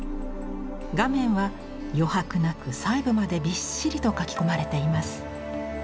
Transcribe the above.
画面は余白なく細部までびっしりと描き込まれています。